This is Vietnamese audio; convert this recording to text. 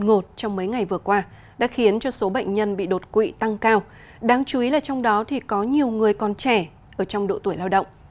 nắng nóng đột ngột trong mấy ngày vừa qua đã khiến cho số bệnh nhân bị đột quỵ tăng cao đáng chú ý là trong đó có nhiều người còn trẻ trong độ tuổi lao động